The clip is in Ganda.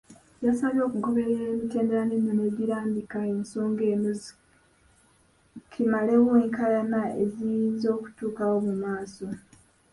Yabasabye okugoberera emitendera n’ennono egirambika ensonga eno kimalewo enkaayana eziyinza okutuukawo mu maaso.